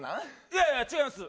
いやいや違います